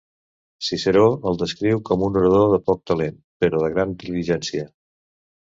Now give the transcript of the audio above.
Ciceró el descriu com un orador de poc talent, però de gran diligència.